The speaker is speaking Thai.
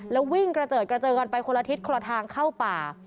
แล้ววิ่งกระเจิดกระเจิงกันไปคนละทิศคนละทางเข้าป่า